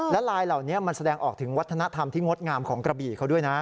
และลายเหล่านี้มันแสดงออกถึงวัฒนธรรมที่งดงามของกระบี่เขาด้วยนะ